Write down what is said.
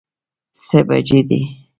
څه بجې دي؟